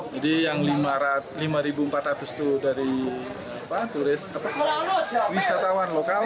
jadi yang lima empat ratus itu dari turis wisatawan lokal